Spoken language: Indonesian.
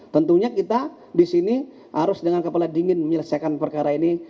tentunya kita di sini harus dengan kepala dingin menyelesaikan perkara ini